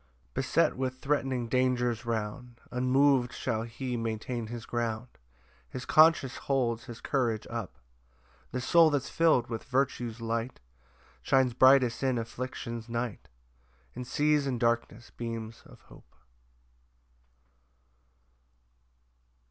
4 Beset with threatening dangers round, Unmov'd shall he maintain his ground; His conscience holds his courage up: The soul that's fill'd with virtue's light, Shines brightest in affliction's night, And sees in darkness beams of hope. PAUSE.